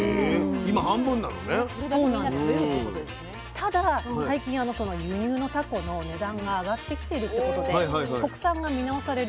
ただ最近この輸入のタコの値段が上がってきてるってことで国産が見直される動きも出てるんですね。